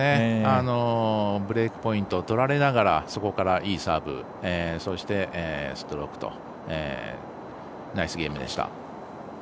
ブレークポイントを取られながらそこからいいサーブそして、ストロークとナイスゲームでした。